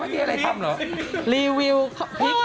รีวิวน้ำพริก